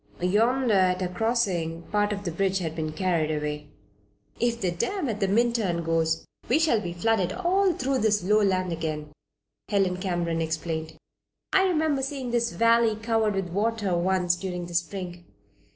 Yonder, at a crossing, part of the bridge had been carried away. "If the dam at Minturn goes, we shall be flooded all through this low land again," Helen Cameron explained. "I remember seeing this valley covered with water once during the Spring.